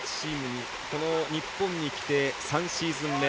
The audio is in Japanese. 日本に来て３シーズン目。